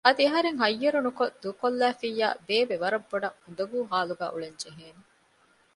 އަދި އަހަރެން ހައްޔަރުނުކޮށް ދޫކޮށްލައިފިއްޔާ ބޭބެ ވަރަށްބޮޑަށް އުނދަގޫ ހާލުގައި އުޅެން ޖެހޭނެ